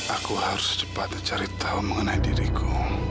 aku harus cepat cari tahu mengenai diriku